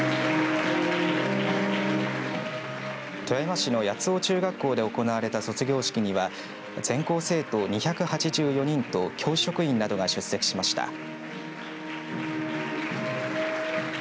富山市の八尾中学校で行われた卒業式には全校生徒２８４人と教職員などが出席しました。